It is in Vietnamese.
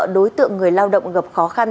đối tượng người lao động gặp khó khăn